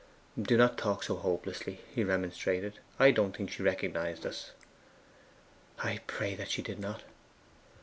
'Do not talk so hopelessly,' he remonstrated. 'I don't think she recognized us.' 'I pray that she did not.